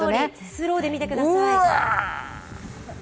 スローで見てください。